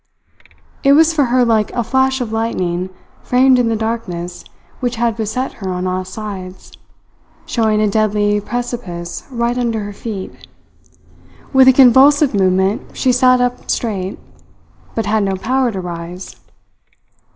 It was for her like a flash of lightning framed in the darkness which had beset her on all sides, showing a deadly precipice right under her feet. With a convulsive movement she sat up straight, but had no power to rise.